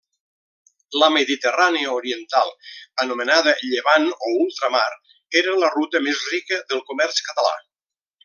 La Mediterrània oriental, anomenada Llevant o ultramar, era la ruta més rica del comerç català.